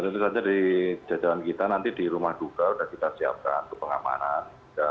jadi saja di jajaran kita nanti di rumah duka sudah kita siapkan untuk pengamanan